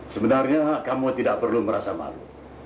sebenarnya kamu tidak perlu merasa malu